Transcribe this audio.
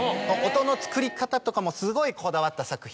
音の作り方とかもすごいこだわった作品。